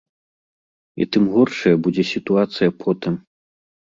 І тым горшая будзе сітуацыя потым.